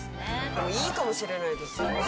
いいかもしれないですよね。